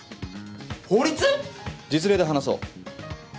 法律？実例で話そう。